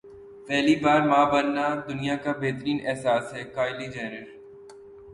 پہلی بار ماں بننا دنیا کا بہترین احساس ہے کایلی جینر